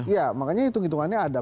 ya makanya hitung hitungannya ada